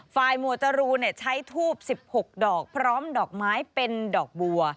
หมวดจรูนใช้ทูบ๑๖ดอกพร้อมดอกไม้เป็นดอกบัว